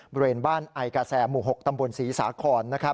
บริเวณบ้านไอกาแซหมู่๖ตำบลศรีสาคร